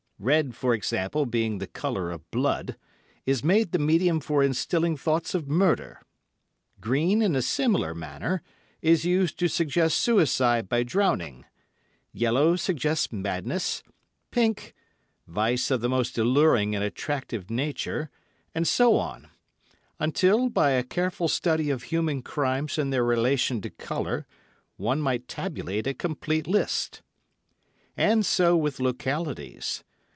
Red, for example, being the colour of blood, is made the medium for instilling thoughts of murder; green, in a similar manner, is used to suggest suicide by drowning; yellow suggests madness; pink—vice of the most alluring and attractive nature; and so on, until, by a careful study of human crimes in their relation to colour, one might tabulate a complete list. And so with localities.